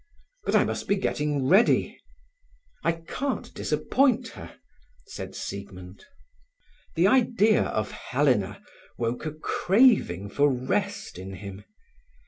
"But I must be getting ready. I can't disappoint her," said Siegmund. The idea of Helena woke a craving for rest in him.